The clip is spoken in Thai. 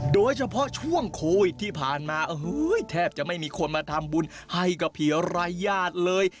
โดยเฉพาะช่วงโควิดที่ผ่านมาโอ้โหแทบจะไม่มีคนมาทำบุญให้กับผีรายญาติเลย